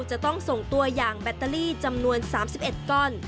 จะต้องส่งตัวอย่างแบตเตอรี่จำนวน๓๑ก้อน